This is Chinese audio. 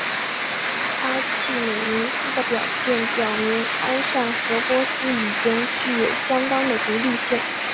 阿契美尼斯的表现表明安善和波斯已经具有相当的独立性。